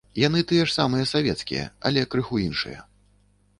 Яны тыя ж самыя савецкія, але крыху іншыя.